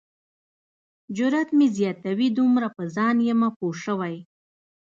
جرات مې زیاتوي دومره په ځان یمه پوه شوی.